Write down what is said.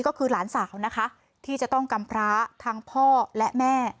ก็คือหลานสาวนะคะที่จะต้องกำพระทั้งพ่อและแม่